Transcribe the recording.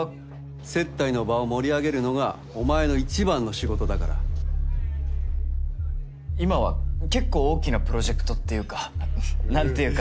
接待の場を盛り上げるのがお前の一番の仕今はけっこう大きなプロジェクトっていうか何ていうか。